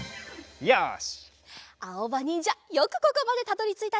よし。